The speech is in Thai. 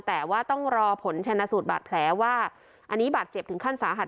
แต่ว่าต้องรอผลชนะสูตรบาดแผลว่าอันนี้บาดเจ็บถึงขั้นสาหัส